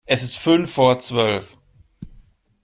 Es ist fünf vor zwölf.